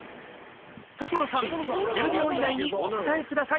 所さん１０秒以内にお答えください